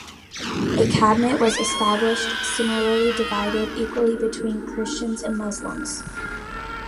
A cabinet was established similarly divided equally between Christians and Muslims.